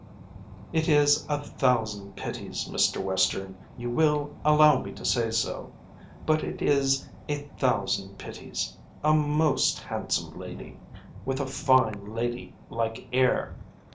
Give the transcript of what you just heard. "It is a thousand pities, Mr. Western, you will allow me to say so, but it is a thousand pities. A most handsome lady: with a fine lady like air!